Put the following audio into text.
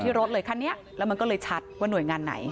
รถเลยคันนี้แล้วมันก็เลยชัดว่าหน่วยงานไหน